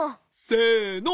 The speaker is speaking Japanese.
せの。